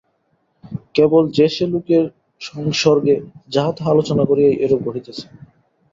কেবল যে-সে লোকের সংসর্গে যাহা-তাহা আলোচনা করিয়াই এইরূপ ঘটিতেছে।